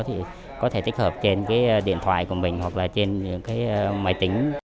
thì có thể tích hợp trên cái điện thoại của mình hoặc là trên những cái máy tính